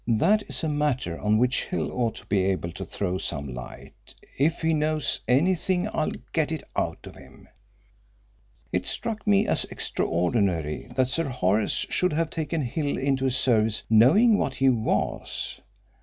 That is a matter on which Hill ought to be able to throw some light. If he knows anything I'll get it out of him. It struck me as extraordinary that Sir Horace should have taken Hill into his service knowing what he was.